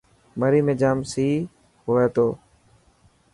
مري ۾ جام سي هئي ٿو.